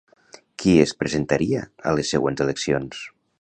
Qui es presentaria a les següents eleccions?